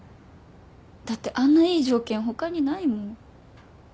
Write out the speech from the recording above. だってあんないい条件他にないもん。